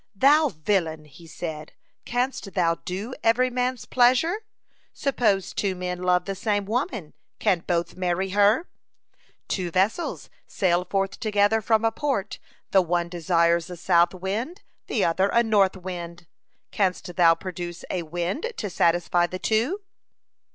"Thou villain," He said, "canst thou do every man's pleasure? Suppose two men love the same woman, can both marry her? Two vessels sail forth together from a port, the one desires a south wind, the other a north wind. Canst thou produce a wind to satisfy the two?